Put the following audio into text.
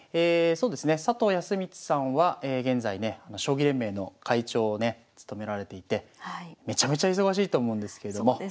そうですね佐藤康光さんは現在ね将棋連盟の会長をね務められていてめちゃめちゃ忙しいと思うんですけれども。